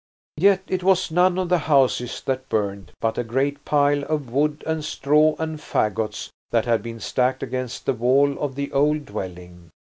Yet it was none of the houses that burned, but a great pile of wood and straw and faggots that had been stacked against the wall of the old dwelling.